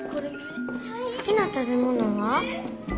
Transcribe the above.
「好きな食べ物は？」。